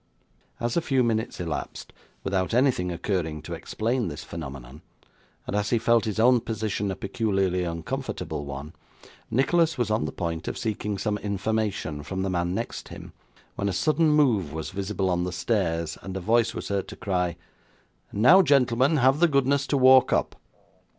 As a few minutes elapsed without anything occurring to explain this phenomenon, and as he felt his own position a peculiarly uncomfortable one, Nicholas was on the point of seeking some information from the man next him, when a sudden move was visible on the stairs, and a voice was heard to cry, 'Now, gentleman, have the goodness to walk up!